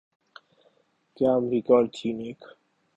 کیا امریکہ اور چین ایک